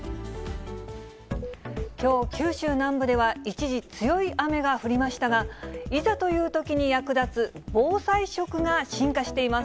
きょう、九州南部では一時、強い雨が降りましたが、いざというときに役立つ防災食が進化しています。